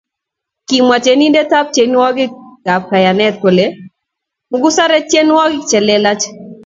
Kimwa tyenindetab tyenwokikab kayenet kole mukuser tyenwogik che lelach